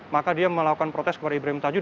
maka dia melakukan protes kepada ibrahim tajuh